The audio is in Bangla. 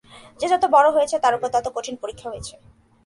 যে যত বড় হয়েছে, তার উপর তত কঠিন পরীক্ষা হয়েছে।